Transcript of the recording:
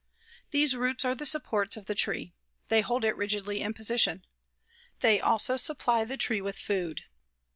These roots are the supports of the tree. They hold it rigidly in position. They also supply the tree with food.